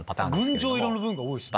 群青色の部分が多いですね。